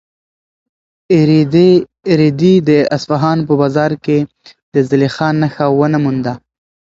رېدي د اصفهان په بازار کې د زلیخا نښه ونه مونده.